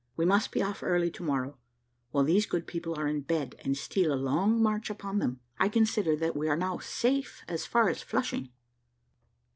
We must be off early to morrow, while these good people are in bed, and steal a long march upon them. I consider that we are now safe as far as Flushing."